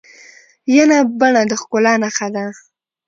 ینه بڼه د ښکلا نخښه ده.